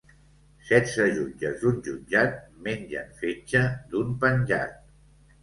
Setze jutges d'un jutjat mengen fetge d 'un penjat.